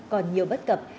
còn nhiều bất cập